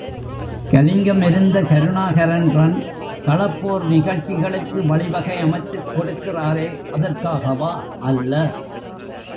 கலிங்கம் எறிந்த கருணாகரன்றன் களப்போர் நிகழ்ச்சிகளுக்கு வழிவகை அமைத்துக் கொடுக்கிறாரே, அதற்காகவா? அல்ல!...